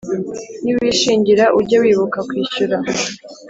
niwishingira ujye wibuka kwishyura